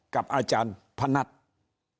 กับอาจารย์พนัทธัศนียานนท์